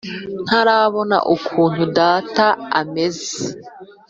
ntarabona ukuntu data ameze